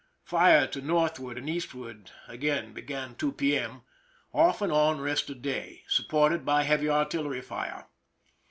Fire to northward and eastward again about 2 p. m. ; off and on rest of day. Supported by heavy artillery fire.